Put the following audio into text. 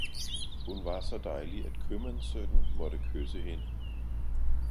hun var så dejlig, at købmandssønnen måtte kysse hende.